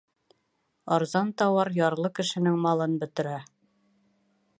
Арзан тауар ярлы кешенең малын бөтөрә.